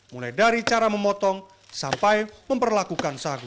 mulai dari cara memotong sampai memperlakukan sagu